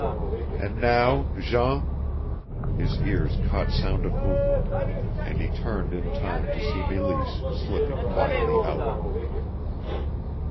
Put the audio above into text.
And now, Jean " His ears caught sound of movement, and he turned in time to see Meleese slipping quietly out.